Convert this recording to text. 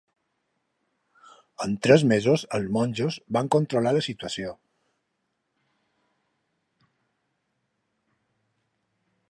En tres mesos els monjos van controlar la situació.